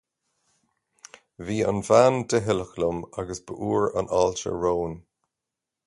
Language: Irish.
Bhí an bhean doicheallach liom agus b'fhuar an fháilte romhan